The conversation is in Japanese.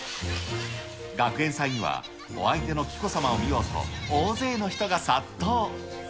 学園祭にはお相手の紀子さまを見ようと、大勢の人が殺到。